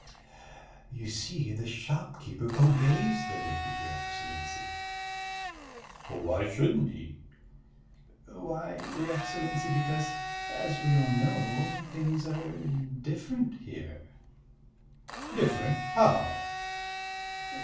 "You see, the shopkeeper obeys the lady, your Excellency." "Why shouldn't he?" "Why, your Excellency, because, as we all know, things are different here." "Different? How?"